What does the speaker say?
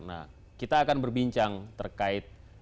nah kita akan berbincang terkait